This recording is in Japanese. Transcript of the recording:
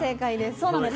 そうなんです。